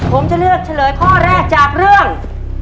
ผมจะเลือกเฉลยข้อแรกจากเรื่อง